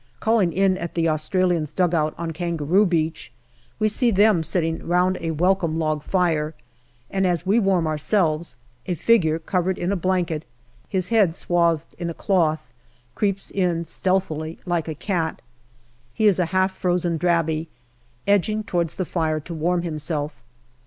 Calling in at the Australians' dugout on Kangaroo Beach, we see them sitting round a welcome log fire, and as we warm ourselves, a figure covered in a blanket, his head swathed in a cloth, creeps in stealthily like a cat. He is a half frozen Drabi, edging towards the fire to warm himself.